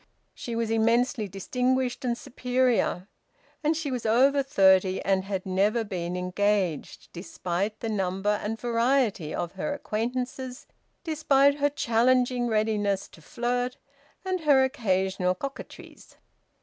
She was immensely distinguished and superior. And she was over thirty and had never been engaged, despite the number and variety of her acquaintances, despite her challenging readiness to flirt, and her occasional coquetries.